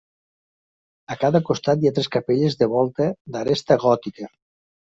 A cada costat hi ha tres capelles de volta d'aresta gòtica.